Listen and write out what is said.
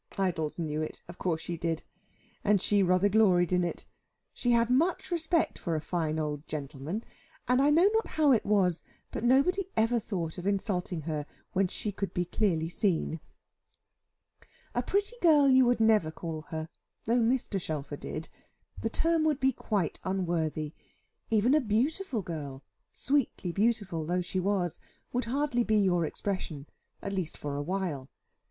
Idols knew it: of course she did. And she rather gloried in it. She had much respect for a fine old gentleman; and I know not how it was, but nobody ever thought of insulting her when she could be clearly seen. A "pretty girl" you would never call her though Mr. Shelfer did the term would be quite unworthy; even a "beautiful girl," sweetly beautiful though she was, would hardly be your expression, at least for a while.